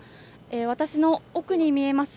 私の奥に見えます